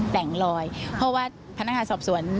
แต่งลอยเพราะว่าพนักงานสอบสวน